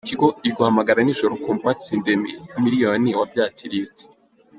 Tigo Iguhamagara n’ijoro, ukumva watsindiye "miliyoni wabyakiriye ute?.